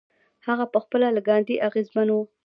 هغه پخپله له ګاندي اغېزمن و.